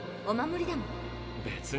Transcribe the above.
お守りだもん。